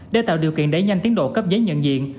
để tạo điều kiện đẩy nhanh tiến độ cấp giấy nhận diện